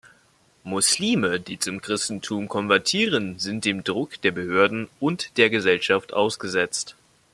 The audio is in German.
Muslime, die zum Christentum konvertieren, sind dem Druck der Behörden und der Gesellschaft ausgesetzt.